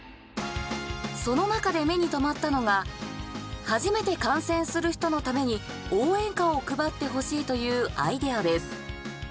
その中で目に留まったのが初めて観戦する人のために応援歌を配ってほしいというアイデアです。